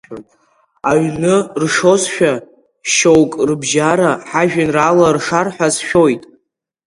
Аҩны ршозшәа шьоук рыбжьара, ҳажәеинраала ршар ҳәа сшәоит.